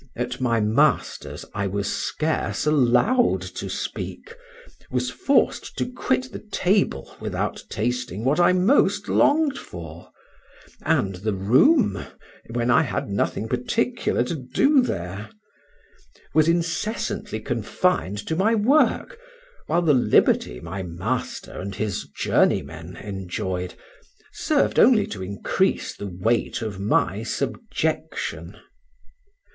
at my master's I was scarce allowed to speak, was forced to quit the table without tasting what I most longed for, and the room when I had nothing particular to do there; was incessantly confined to my work, while the liberty my master and his journeymen enjoyed, served only to increase the weight of my subjection.